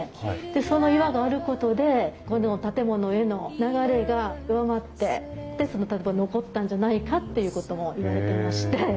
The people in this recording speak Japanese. でその岩があることでこの建物への流れが弱まってで残ったんじゃないかっていうこともいわれてまして。